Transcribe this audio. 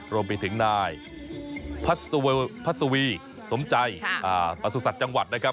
รวมไปถึงนายพัศวีสมใจประสุทธิ์จังหวัดนะครับ